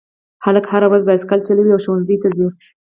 هلک هره ورځ بایسکل چلوي او ښوونځي ته ځي